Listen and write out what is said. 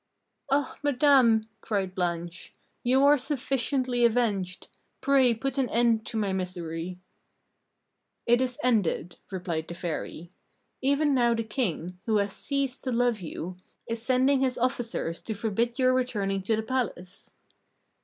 "Ah, madame!" cried Blanche, "you are sufficiently avenged! Pray put an end to my misery!" "It is ended," replied the Fairy. "Even now the King, who has ceased to love you, is sending his officers to forbid your returning to the palace."